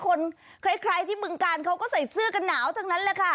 คนใครที่บึงการเขาก็ใส่เสื้อกันหนาวทั้งนั้นแหละค่ะ